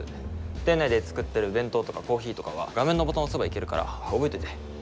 店内で作ってる弁当とかコーヒーとかは画面のボタンを押せばいけるから覚えといて。